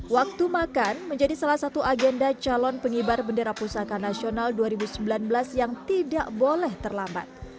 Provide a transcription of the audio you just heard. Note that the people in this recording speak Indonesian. waktu makan menjadi salah satu agenda calon pengibar bendera pusaka nasional dua ribu sembilan belas yang tidak boleh terlambat